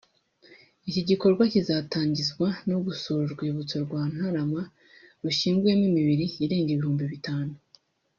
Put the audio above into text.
Iki gikorwa kizatatangizwa no gusura urwibutso rwa Ntarama rushyinguyemo imibiri irenga ibihumbi bitanu